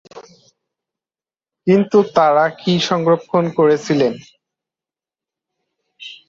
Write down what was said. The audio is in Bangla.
কিন্তু তারা কি সংরক্ষণ করেছিলেন?